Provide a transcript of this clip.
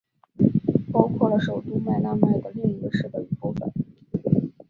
包括了首都麦纳麦和另一个市的一部份。